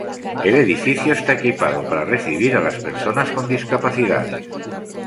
El edificio está equipado para recibir a las personas con discapacidades.